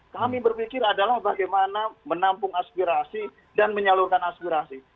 kami berpikir adalah bagaimana menampung aspirasi dan menyalurkan aspirasi